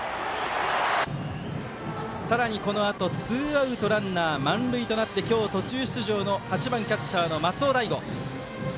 さらに、このあとツーアウトランナー満塁となって今日途中出場の８番、キャッチャー、松尾大悟。